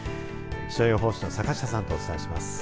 気象予報士の坂下さんとお伝えします。